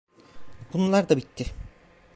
Bunlar da bitti…